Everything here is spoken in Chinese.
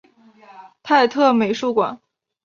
泰特美术馆。